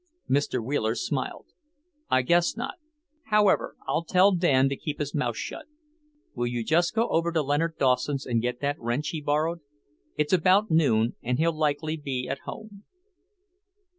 Mr. Wheeler smiled. "I guess not. However, I'll tell Dan to keep his mouth shut. Will you just go over to Leonard Dawson's and get that wrench he borrowed? It's about noon, and he'll likely be at home."